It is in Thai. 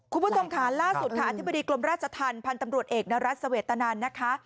คุณผู้ชมค่ะล่าสุดค่ะอธิบดีกรมราชธรรมพันธ์ตำรวจเอกนรัฐเสวตนันนะคะ